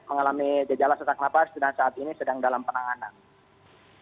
mengalami gejala sesak nafas dan saat ini sedang dalam penanganan